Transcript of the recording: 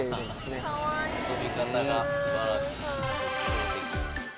遊び方が素晴らしい。